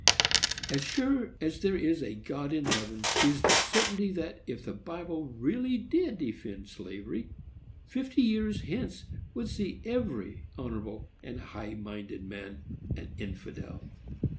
As sure as there is a God in heaven is the certainty that, if the Bible really did defend slavery, fifty years hence would see every honorable and high minded man an infidel.